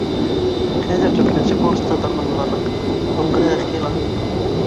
Хәҙер дүртенсе курсты тамамланыҡ, һуңғыһы Хила